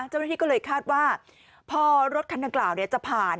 เจ้าหน้าที่ก็เลยคาดว่าพอรถคันดังกล่าวจะผ่าน